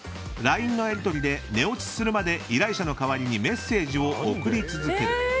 ＬＩＮＥのやり取りで寝落ちするまで依頼者の代わりにメッセージを送り続ける。